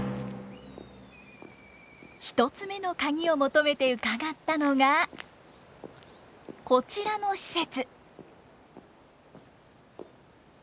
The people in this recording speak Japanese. １つ目のカギを求めて伺ったのがこちらの施設。